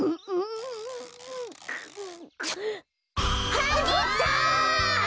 はげた！